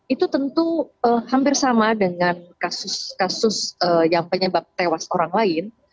itu tentu hampir sama dengan kasus kasus yang penyebab tewas orang lain